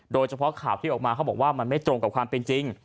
โดยเฉพาะข่าวที่ออกมาเขาบอกว่ามันไม่ตรงกับความเป็นจริง